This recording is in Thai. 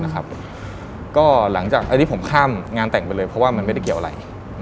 ซึ่งฉันค่ามงานแต่งไปเลยเพราะมันไม่ได้เกี่ยวอะไร